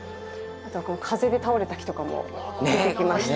風で倒れた木とかも出てきまして。